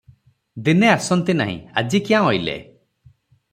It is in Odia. ଦିନେ ଆସନ୍ତି ନାହିଁ, ଆଜି କ୍ୟାଁ ଅଇଲେ ।